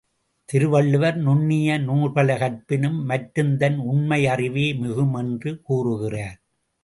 திருவள்ளுவர், நுண்ணிய நூல்பல கற்பினும் மற்றும்தன் உண்மை அறிவே மிகும் என்று கூறுகிறார்.